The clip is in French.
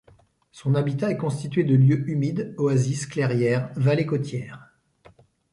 Son habitat est constitué de lieux humides, oasis, clairières, vallées côtières.